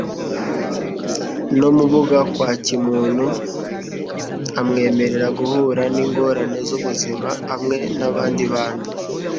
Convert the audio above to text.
n'ubumuga bwa kimuntu. Amwemerera guhura n'ingorane z'ubuzima hamwe n'abandi bantu,